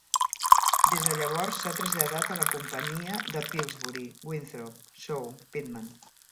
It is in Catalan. Des de llavors s'ha traslladat a la companyia de Pillsbury, Winthrop, Shaw, Pittman.